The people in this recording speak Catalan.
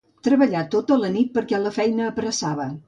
Treballà tota la nit perquè la feina apressava.